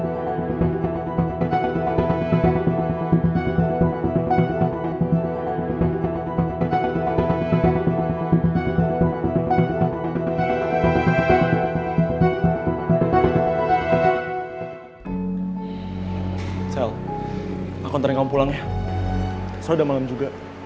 michelle aku ntarin kamu pulang ya soalnya udah malem juga